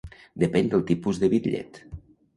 Depén del tipus de bitllet.